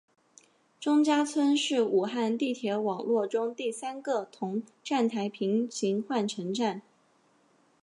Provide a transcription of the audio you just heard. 钟家村是武汉地铁网络中第三个同站台平行换乘站。